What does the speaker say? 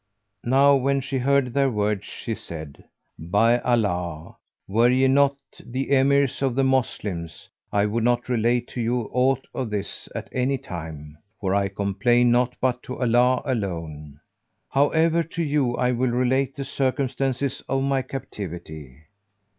Now when she heard their words she said, "By Allah, were ye not the Emirs of the Moslems, I would not relate to you aught of this at any time; for I complain not but to Allah alone. However, to you I will relate the circumstances of my captivity.